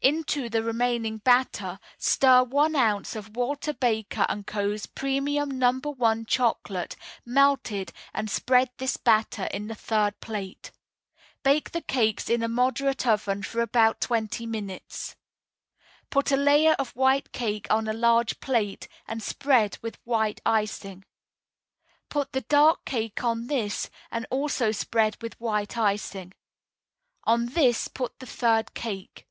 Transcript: Into the remaining batter stir one ounce of Walter Baker & Co.'s Premium No. 1 Chocolate, melted, and spread this batter in the third plate. Bake the cakes in a moderate oven for about twenty minutes. Put a layer of white cake on a large plate, and spread with white icing. Put the dark cake on this, and also spread with white icing. On this put the third cake.